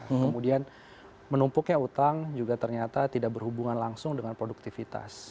kemudian menumpuknya utang juga ternyata tidak berhubungan langsung dengan produktivitas